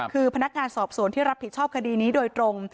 คือพนักงานสอบสวนที่รับผิดชอบคดีนี้โดยตรง